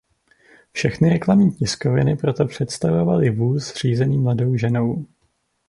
Všechny reklamní tiskoviny proto představovaly vůz řízený mladou ženou.